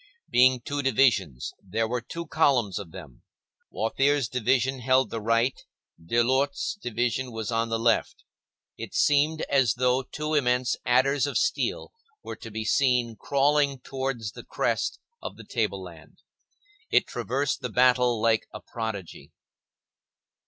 Being two divisions, there were two columns of them; Wathier's division held the right, Delort's division was on the left. It seemed as though two immense adders of steel were to be seen crawling towards the crest of the table land. It traversed the battle like a prodigy.